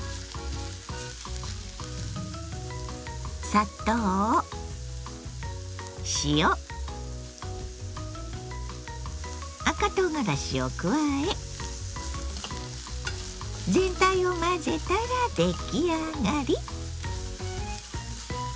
砂糖塩赤とうがらしを加え全体を混ぜたら出来上がり。